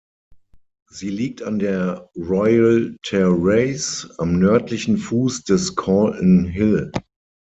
Sie liegt an der Royal Terrace am nördlichen Fuß des Calton Hill.